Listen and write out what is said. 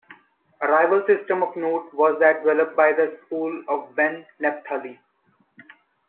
A rival system of note was that developed by the school of ben Naphtali.